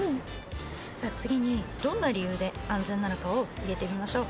じゃあ次にどんな理由で安全なのかを入れてみましょう。